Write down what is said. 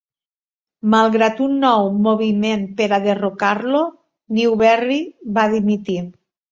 Malgrat un nou moviment per a derrocar-lo, Newberry va dimitir.